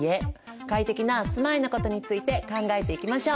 快適な住まいのことについて考えていきましょう！